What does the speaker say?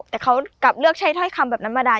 แต่เขากลับเลือกใช้ถ้อยคำแบบนั้นมาได้